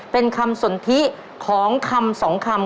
เป็นคำสนทิของคำสองคำ